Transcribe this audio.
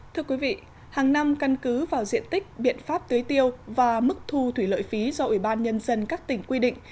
thưa quý vị hàng năm căn cứ vào diện tích biện pháp tưới tiêu và mức thu thủy lợi phí do ủy ban nhân dân các tỉnh quy định